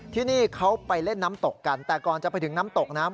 ที่นี่เขาไปเล่นน้ำตกกันแต่ก่อนจะไปถึงน้ำตกน้ำ